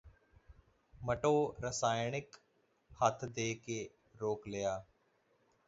ਮਟੋ ਰਸਾਇਕਲ ਹੱਥ ਦੇ ਕੇ ਰੋਕ ਲਿਆ